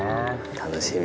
楽しみ。